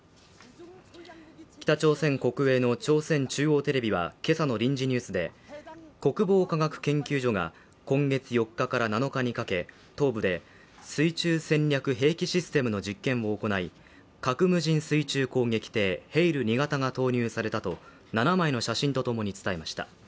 北朝鮮国営の朝鮮中央テレビは今朝の臨時ニュースで国防科学研究所が今月４日から７日にかけ東部で水中戦略兵器システムの実験を行い核無人水中攻撃艇・ヘイル２型が投入されたと７枚の写真とともに伝えました。